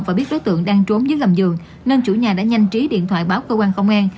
và biết đối tượng đang trốn dưới gầm giường nên chủ nhà đã nhanh trí điện thoại báo cơ quan công an